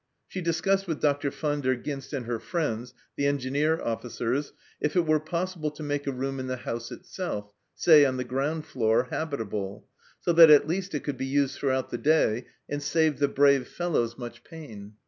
She discussed with Dr. Van der Ghinst and her friends, the Engineer officers, if it were possible to make a room in the house itself say, on the ground floor habitable, so that at least it could be used throughout the day and save the brave fellows much VARIED LIFE IN PERVYSE 159 pain.